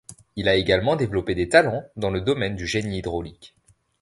Il a également développé des talents dans le domaine du génie hydraulique.